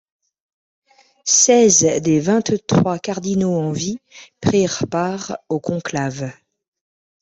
Seize des vingt-trois cardinaux en vie prirent part au conclave.